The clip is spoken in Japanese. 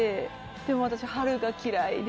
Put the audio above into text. でも私春が嫌いで。